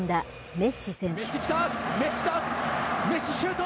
メッシ、シュート。